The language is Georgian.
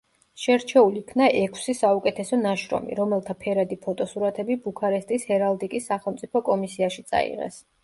შერჩეულ იქნა ექვსი საუკეთესო ნაშრომი, რომელთა ფერადი ფოტოსურათები ბუქარესტის ჰერალდიკის სახელმწიფო კომისიაში წაიღეს.